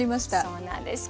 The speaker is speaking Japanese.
そうなんです。